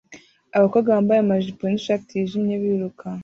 Abakobwa bambaye amajipo nishati yijimye biruka